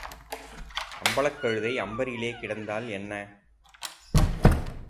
அம்பலக் கழுதை அம்பரிலே கிடந்தால் என்ன?